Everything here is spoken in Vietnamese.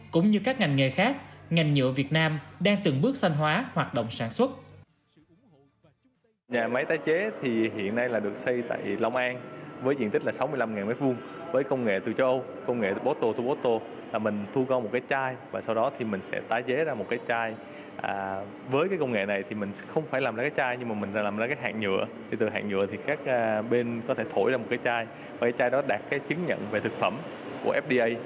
cũng như các ngành nghề khác ngành nhựa việt nam đang từng bước sanh hóa hoạt động sản xuất